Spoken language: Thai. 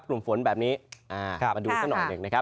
กลุ่มฝนแบบนี้มาดูสักหน่อยหนึ่งนะครับ